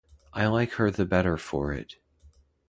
I like her the better for it.